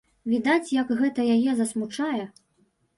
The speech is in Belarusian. Відаць, як гэта яе засмучае.